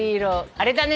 あれだね。